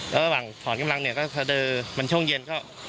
แล้วระหว่างถอนกำลังก็แด่มันช่วงเย็น